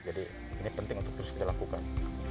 jadi ini penting untuk terus dilakukan